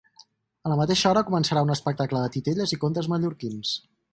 A la mateixa hora començarà un espectacle de titelles i contes mallorquins.